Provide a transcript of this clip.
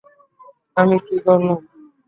আমি কী করলাম?